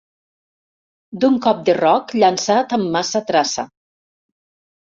D'un cop de roc llançat amb massa traça.